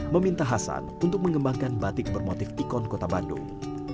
meminta hasan untuk mengembangkan batik bermotif ikon kota bandung